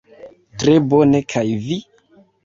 Tre bone kaj vi?